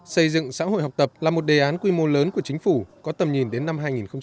xây dựng xã hội học tập là một đề án quy mô lớn của chính phủ có tầm nhìn đến năm hai nghìn ba mươi